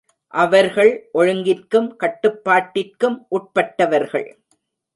அவர்கள் ஒழுங்கிற்கும் கட்டுப்பாட்டிற்கும் உட்பட்டவர்கள்.